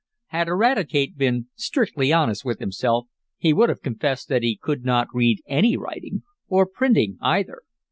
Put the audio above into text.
Had Eradicate been strictly honest with himself, he would have confessed that he could not read any writing, or printing either.